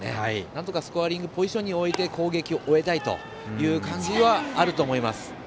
なんとかスコアリングポジションに置いて攻撃を終えたいという感じはあると思います。